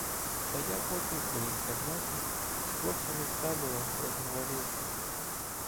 Та я потім у інтернаті з хлопцями з табору розговорився.